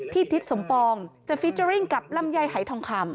ทิศสมปองจะฟิเจอร์ริ่งกับลำไยหายทองคำ